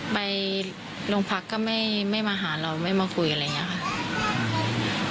ไปโรงพักก็ไม่มาหาเราไม่มาคุยอะไรอย่างนี้ค่ะ